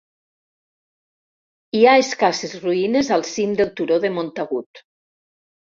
Hi ha escasses ruïnes al cim del turó de Montagut.